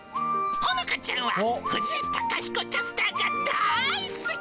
ほのかちゃんは藤井貴彦キャスターが大好き。